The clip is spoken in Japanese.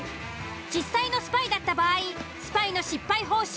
実際のスパイだった場合スパイの失敗報酬